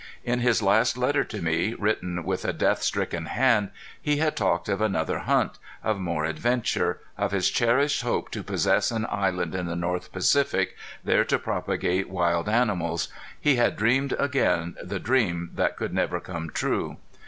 In his last letter to me, written with a death stricken hand, he had talked of another hunt, of more adventure, of his cherished hope to possess an island in the north Pacific, there to propagate wild animals he had dreamed again the dream that could never come true.